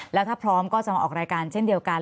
แล้วถ้าพร้อมก็จะมาออกรายการเช่นเดียวกัน